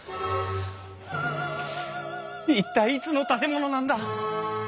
一体いつの建物なんだ！